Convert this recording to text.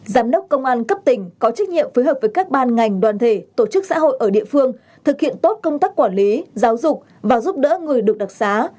giám đốc công an cấp tỉnh có trách nhiệm phối hợp với các ban ngành đoàn thể tổ chức xã hội ở địa phương thực hiện tốt công tác quản lý giáo dục và giúp đỡ người được đặc xá